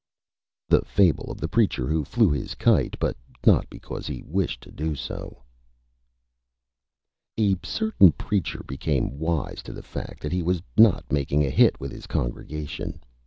_ THE FABLE OF THE PREACHER WHO FLEW HIS KITE, BUT NOT BECAUSE HE WISHED TO DO SO A certain Preacher became wise to the Fact that he was not making a Hit with his Congregation.